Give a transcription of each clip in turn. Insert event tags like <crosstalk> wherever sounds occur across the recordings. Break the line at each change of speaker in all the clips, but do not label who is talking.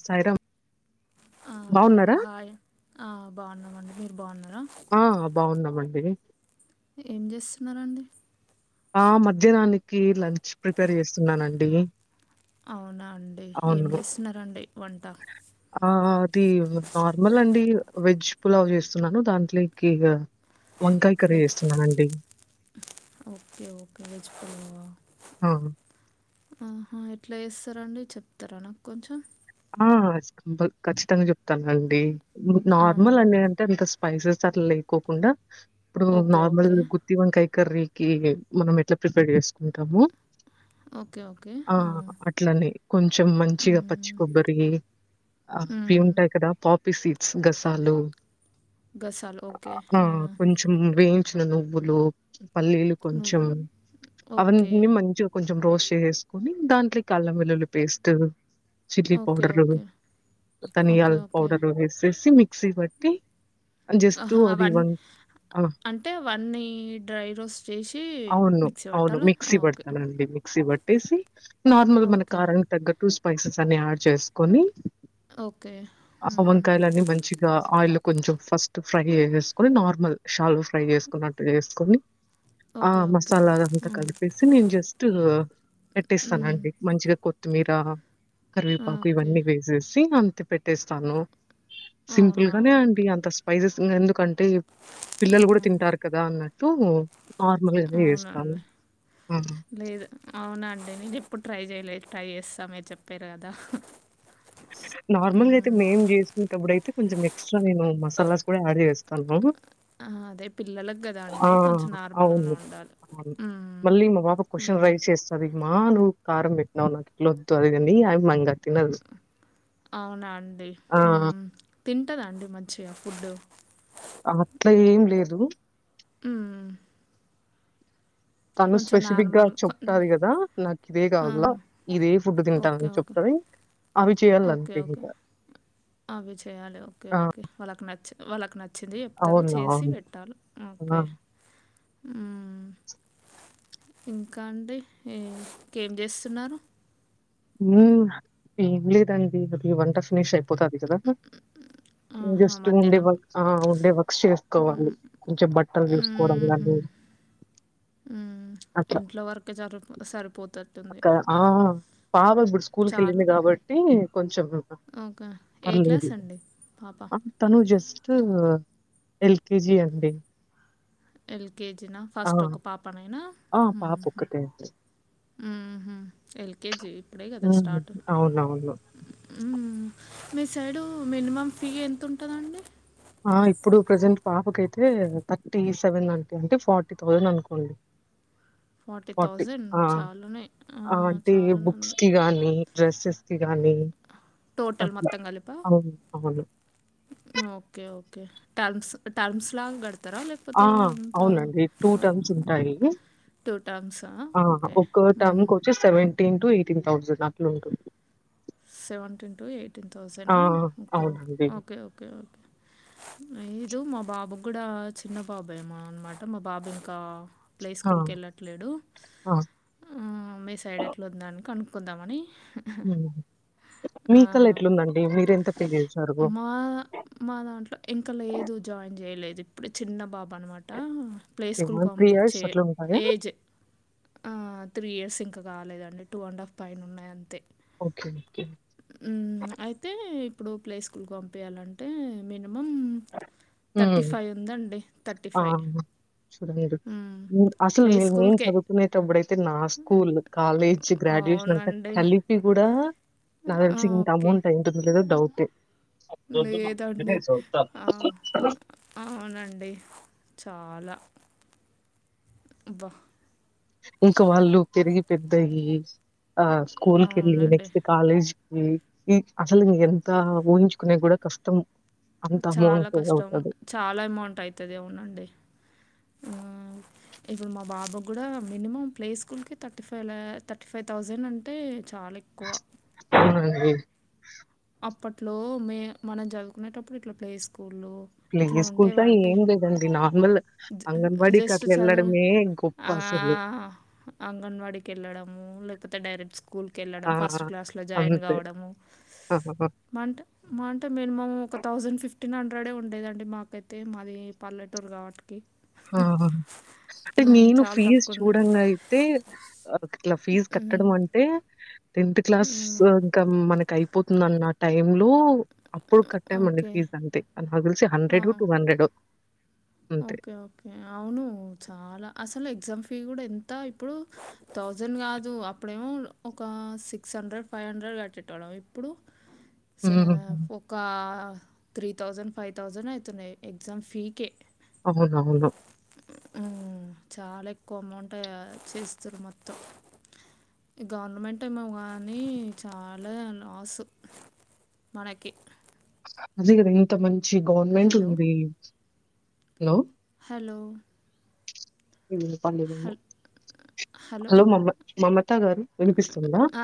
సాయిరాం
ఆహా hello hi ఆ బాగున్నామండి మీరు బాగున్నారా
ఆ బాగున్నామండి
ఏం చేస్తున్నారండి
ఆ మధ్యానానికి లంచ్ ప్రిపేర్ చేస్తున్నానండి
అవునా అండి ఏం
అవును.
చేస్తున్నారండి వంట
ఆ అది నార్మల్ అండి వెజ్ పులావ్ చేస్తున్నాను దాంట్లోకి ఇగ వంకాయ కర్రీ
వెజ్
చేస్తున్నానండి
ఓకే ఓకే వెజ్ పలావా
అ
ఆహా ఎట్ల చేస్తారండి చెప్తారా నాకు కొంచెం
ఆ ఖచ్చితంగా చెప్తానండి
ఆ,
నార్మల్ అని అంత స్పైసెస్ అట్లా లేకోకుండా ఇప్పుడు
ఓకే
నార్మల్
ఓకే
గు ది వంకాయ కర్రీకి మనం ఎట్లా ప్రిపేర్ చేసుకుంటాము
ఓకే ఓకే
ఆ అట్లనే కొంచెం మంచిగా పచ్చి
మ్మ్,
కొబ్బరి ఆ అవి
మ్మ్,
ఉంటాయి కదా పాపీ సీడ్స్ గసాలు
గసాలు ఓకే
ఆహా
ఆ,
కొంచెం వేయించిన నువ్వులు, పల్లీలు కొంచెం
నువ్వు ఓకే
అవన్నీ మంచు కొంచెం రోస్ట్ చేేసేసుకొని దాంట్లోకి అల్లం వెల్లుల్లి paste chilli
okay
powder
okay okay
ధనియాల
ఓకే
పౌడరు ఎసేసి మిక్సీ బట్టి అ జెస్టు
ఆహా,
అది
అవన్నీ
వన్ ఆ!
అంటే అవన్నీ డ్రై రోస్ట్ చేసి
అవును.
మిక్సీ పట్టాల ఆ ఓకే
ఏసి నార్మల్ మన
ఓకే
కారానికి తగ్గట్టు స్పైసెస్ మియా చేసుకొని
ఓకే
అసలు
మ్మ్.
ఇంకా అది మంచిగా ఆయిల్ కొంచెం ఫస్ట్ ఫ్రై చేసేసుకొని నార్మల్ షాలు ఫ్రై చేసుకున్నట్టు చేసుకొని ఆ
ఓకే ఓకే
మసాలా అదంతా
మ్మ్.
కలిపేసి నేను జెస్టు పెట్టేస్తానండి మంచిగా కొ మీరా కరివేపాకు
ఓకే
ఇవన్నీ వేసేసి అంతే పెట్టేస్తాను సింపుల్
అవునా
గానే
ఓకే
అండి అంత స్పైసెస్ ఎందుకంటే పిల్లలు గూడా
మ్మ్.
తింటారు కదా అన్నట్టు నార్మల్గానే చేస్తాను
లేదు అవునండి నేను ఎప్పుడు ట్రై చేయలేదు ఇప్పుడు ట్రై చేస్తా మీరు చెప్పిర్రు కదా
నార్మల్గా అయితే
మ్మ్.
మేం చేసుకుటప్పుడు అయితే కొంచెం ఎక్స్ట్రా నేను మసాలాస్ కూడా యాడ్ చేస్తాను
ఆ అదే పిల్లలకి గదా అండి కొంచెం నార్మల్గానే
అవును.
ఉండాలి ఊ
క్వశ్చన్ రైస్ చేస్తది ఇగ్మా నువ్వు కారం పెట్టినావవు నాకు కల వద్దు అది కాని ఆ మంగా తినదు
అవునా అండి
ఆ!
తింటదా అండి మంచిగా ఫుడ్డు
అ అట్లా ఏం లేదు
ఊ
తను స్పెసిఫిక్ గా
నార్మల్ కొంచెం
చెప్తారు గదా నాకు ఇదే
ఆ,
కావాల ఇదదే ఫుడ్
ఓకే
తింటానని
ఓకే
చెప్తది అవి
ఓకే
చేయాలంతే
ఓకే
ఇంకా.
అవి చెయాలి ఓకే
ఆ!
ఓకే వాళ్ళకి నచ్చి వాళ్ళకు నచ్చింది చెప్తారు
అవును.
చేసి
అవును.
పెట్టాలి
ఆ!
ఓకే ఊ ఇంకా అండి ఎ ఇంకేం చేస్తున్నారు
మ్ ఏం లేదండి అది వంట ఫినిష్ అయిపోతాంది కదా
ఆహా,
జస్టు ఉండే
మధ్యాహ్నం
వర్క్ ఆ ఉండే వర్క్స్ చేసుకోవాలి కొంచెం బట్టలు చూసుకోవడం గానీ
హ్మ్
అట్లా
ఇంట్లో వరకే సరి సరిపోతట్టుంది
ఆ ఆ పావ బడ్స్ స్కూల్కి
చాలు
ఎళ్ళింది కాబట్టి కొంచెం
ఓకే ఏ క్లాస్
పర్లేదు
అండి పాప
తను జస్ట్ ఎల్కేజి అండి
ఎల్కేజీన
ఆ!
ఫస్ట్ ఒక పాపనైనా
ఆ! పాపొక్కతే అండి.
ఆహా ఎల్కేజీ ఇప్పుడే కదా
హ్మ్.
స్టార్ట్
అవునవును.
ఊ మీ సైడు మినిమమ్ ఫీ ఎంత ఉంటదండి
ఆ ఇప్పుడు ప్రజెంట్ పాపకైతే థర్టీ సెవెన్ అంటే అంటే ఫార్టీ థౌజండ్ అనుకోండి
ఫార్టీ థౌజండ్
ఆ!
చాలానే
ఆ! అంటే
చాలానే ఉంది
బుక్స్‌కి గానీ డ్రెస్సెస్ కి గానీ
టోటల్
అట్లా.
మొత్తం కలిపా
అవును. అవును.
Okay okay terms terms లాగా కడతారా
ఆ!
పతే అంద
అవునండి. టర్మ్స్ ఉంటాయి.
టూ టామ్స్సా ఓకే ఊ
సెవెంటీన్ టు ఎయిటీన్ థౌసండ్ అట్లు ఉంటుంది
సెవెంటీన్ టు ఎయిటీన్
ఆ!
థౌసనా ఓకే ఓకే
అవునండి.
ఓకే ఓకే ఓకే ఐదు మా బాబు కూడా చిన్న బాబేమ అనమాట మా బాబు ఇంకా ప్లే
ఆ!
స్కూల్‌కి ఎళ్ళట్లేడు
ఆ!
ఆ మీ సైడ్ ఎట్లా ఉందని కనుక్కుందామని
ఉమ్మ్
ఆ,
మీకలా ఎట్లుందండి మీరెంత పే చేశారు
మా మా దాంట్లో ఇంకా లేదు జాయిన్ చేయలేదు ఇప్పుడే చిన్న బాబు అనమాట ప్లే
ఓకే.
స్కూల్‌కి
ఇయర్స్
పంపించే
అట్లుంటాయా?
ఏజ్ ఆ త్రీ ఇయర్స్ ఇంకా కాలేదండి టూ అండ్ హాఫ్ పైన ఉన్నాయి అంతే
ఓకే ఓకే
ఉమ్మ్ అయితే ఇప్పుడు ప్లే స్కుల్‌కి పంపియాలంటే మినిమం థర్టీ
హ్మ్.
ఫై ఉందండి థర్టీ ఫై
చూడు మీరు అసలు
ప్లే
నేను ఏం
స్కూల్కే
చదువు కునేటప్పుడు అయితే నా స్కూల్ కాలేజ్ గ్రాడ్యుయేషన్ అంతా
అవునండి
కలిపి కూడా నాకు
ఆ,
తెలిసి ఇంతా
ఓకే
అమౌంట్ అయ్యుంటుందో లేదో డౌటే
లేదండి ఆ అవునండి చాలా అబ్బా
ఇంకా వాళ్ళు తిరిగి పెద్దయ్యి ఆ స్కూల్‌ కెళ్ళి
అవునండి
నెక్స్ట్ కాలేజ్ ఈ ఈ అసలు ఇంకెంత ఊహించుకునేకి కూడా కష్టం అంత
చాలా
అమౌంట్
కష్టం
అవుతది
చాలా అమౌంట్ అయితది ఏమోనండి ఉమ్మ్ ఇప్పుడు మా బాబు కూడా మినిమం ప్లే స్కూల్‌కే థర్టీ ఫైవ్ లా థర్టీ ఫైవ్ థౌసండ్ అంటే చాలా ఎక్కువ
అవునండి
అప్పట్లో మే మనం చదువుకునేటప్పుడు ఇట్లా ప్లే స్కూళ్ళు
ప్లే
ఇట్లా
స్కూల్లో
ఉండేవా అండి
ఏం లేదండి నార్మల్
జ
అంగన్వాడీకి
జస్ట్
అట్లా
చదువు
ఎళ్ళడమే గొ ప్ప
ఆ,
అసలు
అంగన్వాడీకి ఎళ్ళడము లేకపోతే డైరెక్ట్ స్కూల్‌కి ఎళ్ళడం ఫస్ట్ క్లాస్‌లో జాయిన్ కావడము
ఆహహ
మంట మా అంటే మినిమం ఒక థౌజండ్ ఫిఫ్టీన్ హండ్రెడే ఉండేదండి మాకైతే మాది పల్లెటూరు కాబట్టికి
ఆహా అంటే నేను ఫీజ్
తక్కువ ఉన్న
చూడంగా ఇ తే అట్లా ఫీజ్ కట్టడం అంటే టెన్త్ క్లాస్ క మనకి అయిపోతుందాన్న టైంలో అప్పుడు కట్టమండి
ఓకే
ఫీజ్ అంతే నాకు తేలిసి hundred two hundred
okay okay అవును చాలా అసలు ఎగ్జామ్ ఫీ కూడా ఎంత ఇప్పుడు థౌజండ్ కాదు అప్పుడేమో ఒక సిక్స్ హండ్రెడ్ ఫైవ్ హండ్రెడ్ కట్టేటోళ్ళం ఇప్పుడు సే
హ్మ్.
ఒక త్రీ థౌజన్ ఫైవ్ థౌజన్ అయితున్నాయ్ ఎగ్జామ్ ఫీకే
అవునవును
ఉమ్మ్ చాలా ఎక్కువ అమౌంట్ చేస్తురు మొత్తం ఈ గవర్నమెంట్ ఏమో గానీ చాలా లాసు మనకి
అదే కదా ఇంత మంచి గవర్నమెంట్
హలో
ఉంది హలో
హలో
ఇల్లులు
హల్
<unintelligible> హలో మమ మమతా గారు వినిపిస్తుంద
ఆ,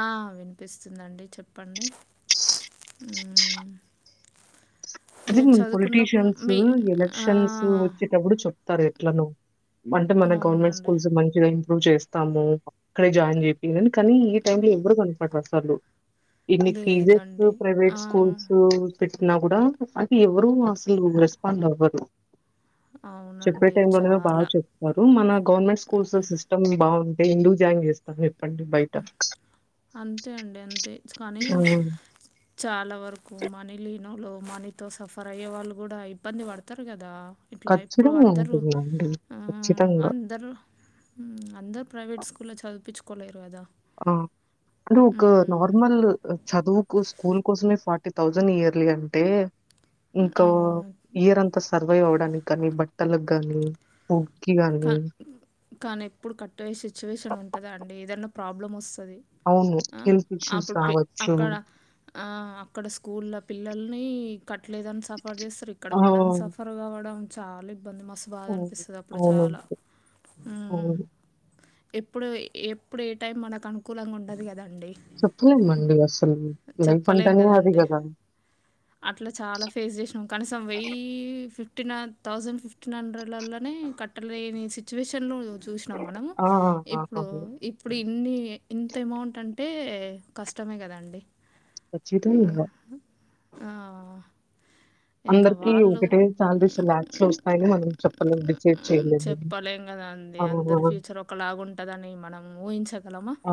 ఆ వినిపిస్తుందిండి చెప్పండి హు
అది
మీరు చదువుకున్నప్పుడు
పొలిటీషియన్స్
మీ ఆ
ఎప్పుడు చెప్తారు ఎట్లనో అంటే మన గవర్నమెంట్
అవునండి
స్కూల్స్ మంచిగా ప్రూవ్ చేస్తాము అక్కడే జాయిన్ <unintelligible> కానీ ఈ టైమ్ లో ఎవరు కనపడారు అసలు ఇన్ని ఫీజెస్
లేదండి
ప్రైవేట్
ఆ,
స్కూల్స్ పెట్టినా కూడ అ <unintelligible> ఎవరు అసలు రెస్పాండ్ అవ్వరు చెప్పే
అవునండి
టై లోనే బాగా
చాలా
చెప్ వారు మన గవర్నమెంట్ స్కూల్లో సిస్టమ్ బాగుంటే ఎందుకు జాయిన్ చేస్తారు చేప్పండి బయట
అంతే అండి అంతే కానీ
హ్మ్.
చాలా వరకు మనీ లీనలు మనీతో సఫర్ అయ్యే వాళ్ళు కూడా ఇబ్బంది పడతారు కదా ఇట్ల ఇప్పుడు
ఖచ్చితంగా
అందరూ
ఉంటుందండి. ఖచ్చితంగా.
అందరూ అందరు ప్రైవేట్ స్కూల్లో చదువుపిచుకోలేరు కదా
ఆ <unintelligible> ఒక
ఉమ్,
నార్మల్ చదువుకు స్కూల్ <unintelligible> ఫార్టీ థౌజండ్ ఇయర్లీ అంటే ఇంకా
ఆ,
ఇయర్ అంత సర్వైవ్ అవడానికి కానీ బట్టలకు గాని
కా
<unintelligible>
కానీ ఎప్పుడు కట్టయ్యే సిచ్యువేషన్ ఉంటుందా అండి ఏదన్న ప్రాబ్లం వస్తది
అవును హెల్త్ ఇష్యూస్ రావచ్చు
అక్కడ ఆ అక్కడ స్కూల్ల పిల్లల్ని ఇక్కట్టలేదని సఫర్ చేస్తారు ఇక్కడ
ఆ!
మనం సఫర్ కావడం చాల ఇబ్బంది మస్
ఓ
అప్పుడు చాల హు ఎప్పుడు ఎప్పుడు ఏ టైం మనకు అనుకూలంగ ఉండదు కదండి
చెప్పలేమండి అసలు లైఫ్
చెప్పలేం
అంటనే అది
కదండి
కదా
అట్లా చాలా ఫేస్ చేసినాం కనీసం వెయ్యి ఫిఫ్టీన్ థౌసండ్ ఫిఫ్టీన్ హండ్రెడ్లల కట్టలేని సిచువేషన్లో చూసినాం మనం
ఆ! ఆ!
ఇప్పుడు
అవును.
ఇప్పుడు ఇన్ని ఇంత అమౌంట్ అంటే కష్టమే కదండి
కచ్చితంగా
ఆ ఇంకా
అందరికి
వాళ్ళు
ఒకటే సాలరీస్ లాక్స్ లో వస్తాయని మనం చెప్పలేం డిసైడ్
మ్,
చేయలేము
చెప్పలేం కదాండి
ఆ!
అందరు ఫ్యూచర్ ఒకలాగ ఉంటదని మనం ఊహించగలమ
ఆ!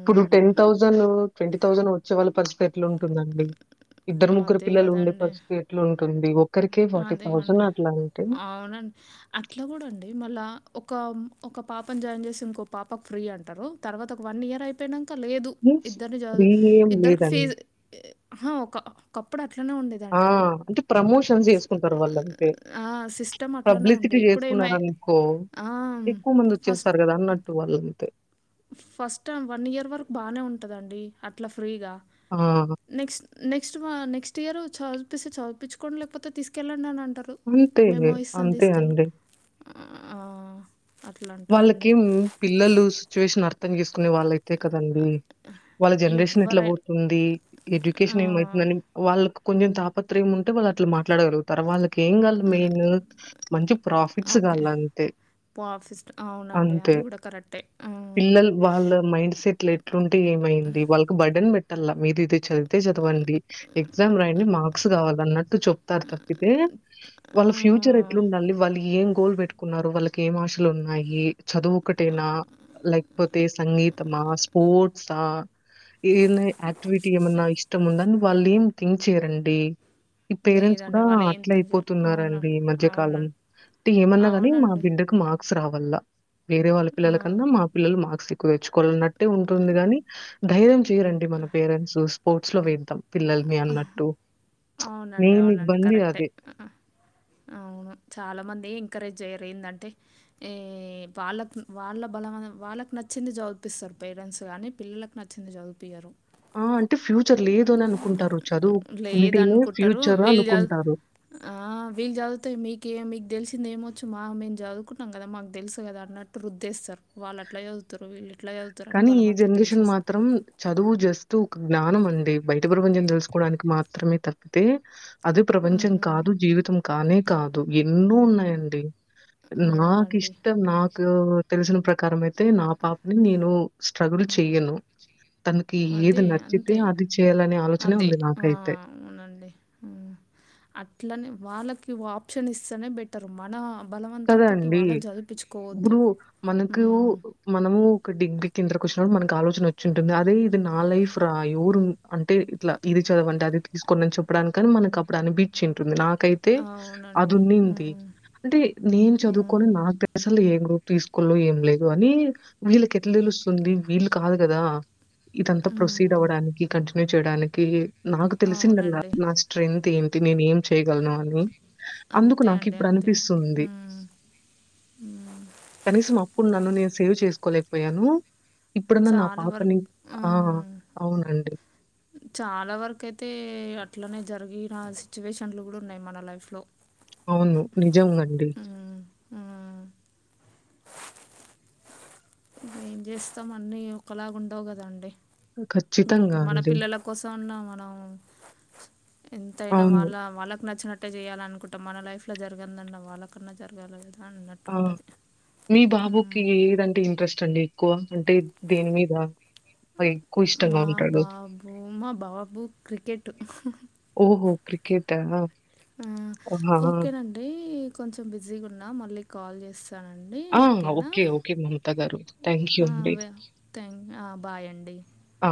ఇప్పుడు టెన్ థౌజండ్ ట్వంటీ థౌజండ్ వచ్చే వాళ్ళ పరిస్పెర్ట్లో ఉంటుందండి ఇద్దరు ముగ్గురు
అదే
పిల్లలుండే
గదండీ!
పరిస్థితి ఎట్లుంటుంది ఒక్కరికే ఫార్టీ థౌసండ్ అట్ల ఉంటే
అవున అట్లా కూడా అండి మళ్ళా ఒక ఒక పాపని జాయిన్ చేసి ఇంకో పాపకు ఫ్రీ అంటారు తర్వాత ఒక వన్ ఇయర్ <unintelligible> చెప్పనాక లేదు
మీన్స్
ఇద్దరిని చదు
ఫ్రీ ఏం
ఇద్దరు <unintelligible>
లేదని.
ఫీజ్ ఒక ఒకప్పుడు అట్లనే ఉండే
ఆ అంటే ప్రమోషన్స్ చేసుకుంటారు వాళ్ళు అంతే
ఆ! సిస్టమ్ అట్లనే
పబ్లిసిటీ
ఉండే.
చేసుకున్నారు
ఇప్పుడేమై
అనుకో
ఆ!
ఎక్కువ మంది
ఫస్ట్
వచ్చేస్తారు కదా అన్ వాళ్ళు అంతే
ఫస్ట్ టైం వన్ ఇయర్ వరకు బానే ఉంటదండి అట్లా ఫ్రీగ
ఆ
నెక్స్ట్ నెక్స్ట్ నెక్స్ట్ ఇయర్ చదివిపిస్తే చదిపించుకోండి లేకపోతే తీసుకెళ్ళండి అని అంటారు
అంతే.
మేమో ఇస్తాం
అంతే
తీసుకెళ్ళు
అండి.
మ్ ఆ అట్లా అంటారండి.
వాళ్ళకేం పిల్లలు సిచ్యువేషన్ అర్థం చేసుకునే వాళ్ళయితే కదండి వాళ్ళ జన్రేషన్ ఎట్లా
ఎవ్వరై
పోతుంది
ఆ!
ఎడ్యుకేషన్ ఏమయితుందని వాళ్ళకి కొంచెం తాపత్రయం ఉంటే వాళ్ళు అట్లా మాట్లాడగలగు తర్ వాళ్ళకి ఏం గాళ్ మెయిన్ మంచి ప్రాఫిట్స్
ఓకే.
కాళ్ల అంతే
పాపిస్ట్ అవునండి అది కూడా కరెక్టే మ్మ్
పిల్లలు వాళ్ళ మైండ్ సెట్ ఎట్లుంటే ఏమైంది వాళ్ళకి బడన్ పెట్టాల మీరీది చదివితే చదవండి ఎగ్జామ్ రాయండి మార్క్స్ కావాల అన్నట్టు చెప్తారు తప్పితే వాళ్ళ
ఆ!
ఫ్యూచర్ ఎట్లున్డాలి వాళ్ళు ఏం గోల్ పెట్టు కున్నారు వాళ్ళకి ఏం ఆశలు ఉన్నాయి చదువు ఒకటేనా లేక్పోతే సంగీ తమా స్పోర్ట్సా ఏనే ఆక్టివిటీ ఏమన్నా ఇష్ తముందన్ వాళ్లేం థింక్ చేయరండి ఈ పేరెంట్స్ కూడా
లేదండి. వాళ్ళేం
అట్లే
తినజేయరు.
అయిపోతున్నారండి
అవునండి.
ఈ మధ్యకాలం
అవునండి.
టి ఏమన్నా గానీ మా
అవునండి.
బిడ్డకు మార్క్స్ రావల్ల వేరే వాళ్ళ పిల్లల
ఆ!
కన్నా మా పిల్లలు మార్క్స్ ఎక్కువ తెచ్చుకోవాలన్నట్టే ఉంటుంది కాని ధైర్యం చేయరండి మన పేరెంట్స్ స్పోర్ట్స్ లో వేద్దాం పిల్లల్ని అన్నట్టు
అవునండి.
మెయిన్
అవునండి.
ఇబ్బంది
కరెక్టే.
అదే
ఆ! అవును చాలా మంది ఎంకరేజేయరు ఎందంటే ఏ వాళ్ళక్ వాళ్ళ బలమన వాళ్ళకి నచ్చింది చదువ్పిస్తారు పేరెంట్స్ కానీ పిల్లలకు నచ్చింది చదువు పియ్యారు
ఆ అంటే ఫ్యూచర్ లేదు అని అనుకుంటారు చదువ్ ఉంటేనే ఫ్యూచర్ అనుకుంటారు
ఆహ్ వీల్ చదువితే మీకె మీకు తెలిసింది ఏమొచ్చు మా మేము చదువుకున్నాం కదా మాకు తెలుసు కదా అన్నట్టు రుద్దేస్తారు వాళ్ళట్లా చదువుతారు వీల్లిట్లా చదువుతారని
కానీ ఈ
బలవంతం
జనరేషన్
చేసేస్తారు
మాత్రం చదువు జస్ట్ ఒక జ్ఞానం అండి బయట ప్రపంచం తెలుసుకోవడానికి మాత్రమే తప్పితే అది ప్రపంచం
హ్మ్.
కాదు జీవితం కానే కాదు ఎన్నో ఉన్నాయండి
అవునండి.
నాకిష్టం నాకు తెలిసిన ప్ర కరం అయితే నా పాప్ని నేను స్ట్రగుల్ చెయను తనకి
అదే.
ఏది నచ్చితే
అంతే.
అది చేయలనే ఆలోచనే
అదే.
ఉంది
ఆ!
నాకైతే
అవునండి మ్ అట్లనే వాళ్ళకి వాప్షన్ ఇస్తేనే బెటర్ మనా
కదా
బలవంతంతోటి
అండీ!
వాళ్ళన్ చదివిపిచుకోవద్దు
ఇప్పుడు మనకు
మ్
మనము ఒక డిగ్రీ క్రిందర్కి వచ్చినప్పుడు మనకి ఆలోచన వచ్చింటుంది అదే ఇది నా లైఫ్ రా ఎవురు అంటే ఇట్లా ఇది చదవండి అది తీసుకుొని అని చెప్పడానికన్ మనకు అప్పుడు అని పీచున్టుది నాకు కైతే
అవునండి.
అదున్నింది
హ్మ్.
అంటే నేను చదువుకొని
హ్మ్.
నా దేశంలో <unintelligible> ఏం గ్రూప్ తీసుకో ఏం లేదు అని వీళ్ళకి ఎట్లా తెలుస్తుంది వీళ్ళు కాదు కదా ఇదంతా ప్రొసీ డ
హ్మ్.
అవ్వడానికి కంటిన్యూ చేయడానికి నాకు తెలిసిందల్లా
అవునండి.
నా స్ట్రెంగ్త్ ఏంటి నేను ఏం చేయ్యగలను అని అందుకు
అంతే
నాకు
అండి.
ఇప్పుడనిపిస్తుంది
మ్
కనీసం అప్పునన్ను నేను సేవ్ చేసుకోలేకపోయాను ఇప్పుడున్న నా
చాలా వరకు
పాపని ఆ
హ్మ్.
అవునండి
చాలా వరకు అయితే అట్లనే జరిగిన సిచ్యువేషన్లు కూడా ఉన్నాయి మన లైఫ్ లో
అవును నిజంగండి
ఆ ఏం చేస్తాం అన్నీ ఒకలాగా ఉండవు గదండి
ఖచ్చితంగా
ఇప్పుడు మన
అండి.
పిల్లల కోసం మన్నా మనం ఎంతయినా
అవును.
వాళ్ళ వాళ్ళకి నచ్చిన ఎంత చేయాలనుకుంటాం మన లైఫ్ లో జరగందండి వాళ్ళ క్కన్నా జరగాలి గదా
ఆ మీ బాబుకి ఏదంటే ఇంట్రెస్ట్ అంటే ఎక్కువ అంటే దేని మీద ఎక్కువ ఇష్టంగా
మా
ఉంటాడు?
బాబు మా బాబు క్రికెట్ హ
ఓహో క్రికెట్ ఆ
ఆ ఓకేనండి కొంచెం బిజీగా ఉన్నా మళ్ళీ కాల్ చేస్తా వస్తానండి
ఆ!
ఓకేనా
ఓకే. ఓకే మమత గారు. థాంక్ యూ అండి.
అ థ్యాంక్ బాయ్ అండి
ఆ